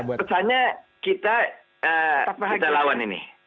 pesannya kita lawan ini